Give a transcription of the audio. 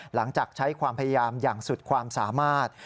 หลังจากใช้ความพยายามอย่างสุดความสามารถ